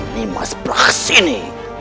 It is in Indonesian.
ni mas brah sini